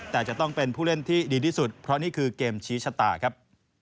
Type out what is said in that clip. แต่จะต้องเป็นผู้เล่นที่ดีที่สุดเพราะนี่คือเกมชี้ชะตาครับ